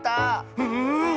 うん！